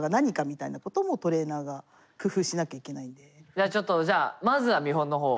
じゃあちょっとじゃあまずは見本の方を。